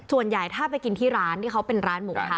ส่วนใหญ่ถ้าไปกินที่ร้านที่เขาเป็นร้านหมูทะ